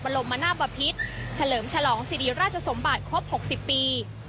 ลมนาบพิษเฉลิมฉลองสิริราชสมบัติครบ๖๐ปี